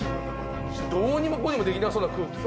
どうにもこうにもできなそうな空気。